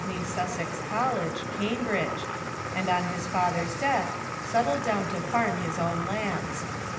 i i • i i •>■ j ney Sussex College, Cambridge, and on his fa ther's death settled down to farm his own lands.